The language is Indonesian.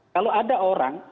kalau ada orang